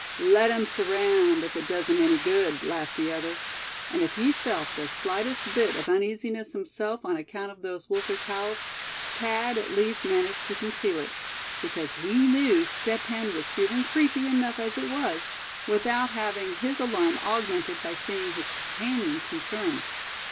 "Let 'em surround, if it does 'em any good," laughed the other; and if he felt the slightest bit of uneasiness himself on account of those wolfish howls, Thad at least managed to conceal it; because he knew Step Hen was feeling "creepy" enough as it was, without having his alarm augmented by seeing his companion concerned.